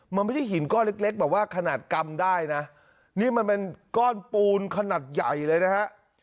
มันไม่ใช่หินก้อนเล็กเล็กแบบว่าขนาดกำได้นะนี่มันเป็นก้อนปูนขนาดใหญ่เลยนะฮะ